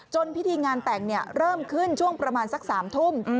พิธีงานแต่งเริ่มขึ้นช่วงประมาณสัก๓ทุ่ม